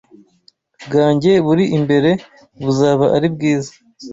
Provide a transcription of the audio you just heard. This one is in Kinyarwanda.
bwanjye buri imbere buzaba ari bwiza